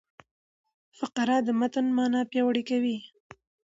فقره د متن مانا پیاوړې کوي.